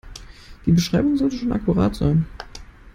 Die Beschreibung sollte schon akkurat sein.